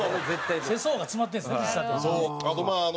世相が詰まってるんですね喫茶店にね。